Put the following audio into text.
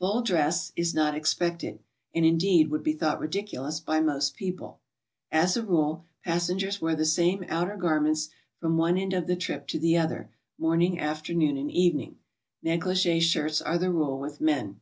"Full dress" is not expected, and, indeed, would be thought ridiculous by most people. As a rule, passengers wear the same outer garments from one end of the trip to the other, morning, afternoon and evening. Negligee shirts are the rule with men.